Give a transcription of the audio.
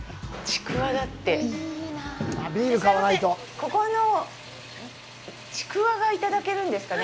ここのちくわがいただけるんですかね。